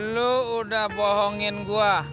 lo udah bohongin gua